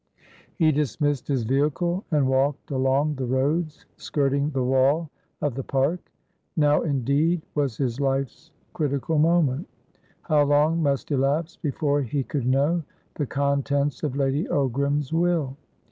He dismissed his vehicle, and walked along the roads skirting the wall of the park. Now, indeed, was his life's critical moment. How long must elapse before he could know the contents of Lady Ogram's will?